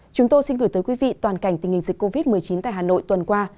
chúng tôi xin gửi tới quý vị toàn cảnh tình hình dịch covid một mươi chín tại hà nội tuần qua